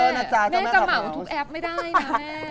แม่จะเหมาทุกแอปไม่ได้นะแม่